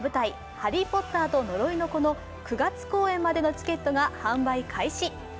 「ハリー・ポッターと呪いの子」の９月公演までのチケットが販売開始。